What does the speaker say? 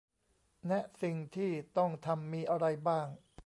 แนะสิ่งที่ต้องทำมีอะไรบ้าง